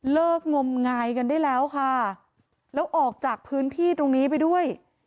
งมงายกันได้แล้วค่ะแล้วออกจากพื้นที่ตรงนี้ไปด้วย